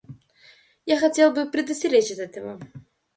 Я хотел бы предостеречь от этого.